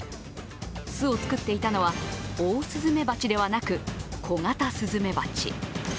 巣を作っていたのはオオスズメバチではなくコガタスズメバチ。